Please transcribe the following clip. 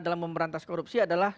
dalam memerantas korupsi adalah